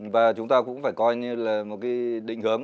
và chúng ta cũng phải coi như là một cái định hướng